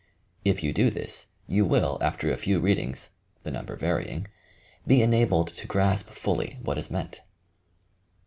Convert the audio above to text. If you do this, you will, after a few readings (the number varying) be enabled to grasp fully what is meant.